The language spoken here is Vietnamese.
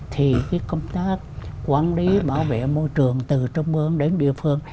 thì công tác quản lý bảo vệ môi trường từ trung ương đến địa phương